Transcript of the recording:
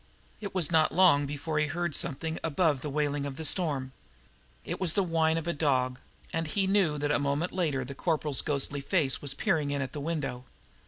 It was not long before he heard something above the wailing of the storm. It was the whine of a dog, and he knew that a moment later the Corporal's ghostly face was peering in at the window.